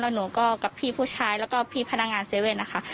หนูก็กับพี่ผู้ชายแล้วก็พี่พนักงาน๗๑๑นะคะ